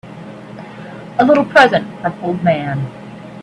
A little present from old man.